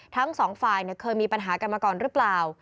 ทั้งสองฝ่ายเคยมีปัญหากันมาก่อนหรือเปล่า